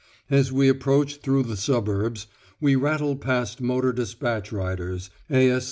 As we approach through the suburbs, we rattle past motor despatch riders, A.